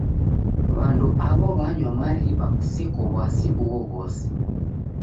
W'andu aw'o w'anywa mariw'a kuseko w'asi ughoghose.